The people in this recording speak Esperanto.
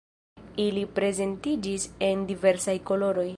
Ili prezentiĝis en diversaj koloroj.